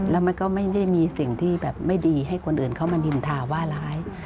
แล้วมันก็ไม่ได้มีสิ่งที่แบบไม่ดีให้คนอื่นเข้ามานินทาว่าร้าย